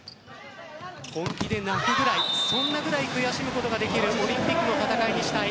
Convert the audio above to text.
本気で泣くぐらいそんなぐらい悔しむことができるオリンピックの戦いにしたい。